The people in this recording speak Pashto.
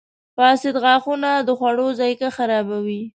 • فاسد غاښونه د خوړو ذایقه خرابوي.